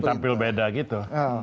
tampil beda gitu